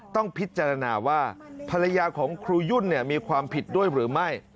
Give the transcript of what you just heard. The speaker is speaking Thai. ต้องพิจารณาว่าภรรยาของครูยุ่นมีความผิดด้วยหรือไม่